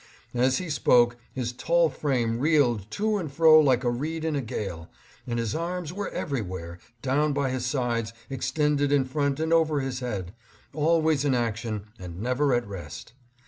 As he spoke, his tall frame reeled to and fro like a reed in a gale, and his arms were everywhere, down by his sides, extended in front and over his head ; always in action and never at rest.